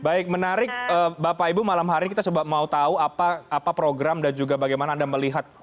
baik menarik bapak ibu malam hari ini kita mau tahu apa program dan juga bagaimana anda melihat